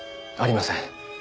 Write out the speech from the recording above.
ありません。